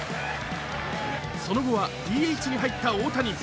その後はＤＨに入った大谷。